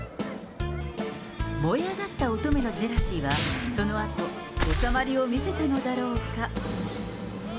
燃え上がった乙女のジェラシーは、そのあと、収まりを見せたのだろうか。